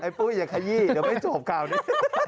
ปุ้ยอย่าขยี้เดี๋ยวไม่จบข่าวนี้